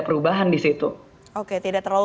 perubahan di situ oke tidak terlalu